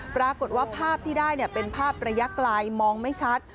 ปรากฏว่าภาพที่ได้เป็นภาพระยะไกลมองไม่ชัด